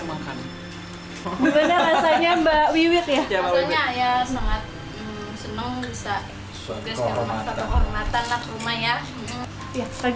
makan bener rasanya mbak wiwik ya rasanya ya sangat seneng bisa kormatan anak rumah ya